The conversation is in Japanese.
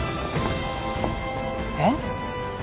えっ？